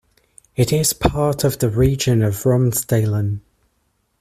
It is part of the region of Romsdalen.